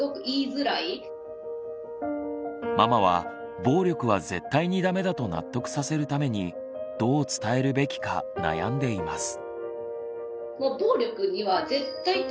さらにママは暴力は絶対にダメだと納得させるためにどう伝えるべきか悩んでいます。